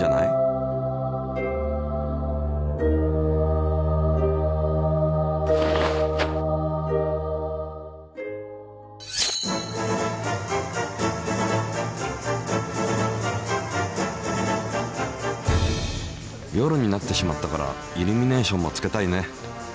夜になってしまったからイルミネーションもつけたいね。